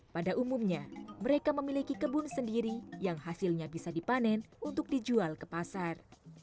pada umumnya mereka memiliki kebun sendiri yang hasilnya bisa dipanen untuk dijual ke pasar